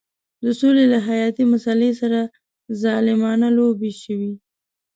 د سولې له حیاتي مسلې سره ظالمانه لوبې شوې.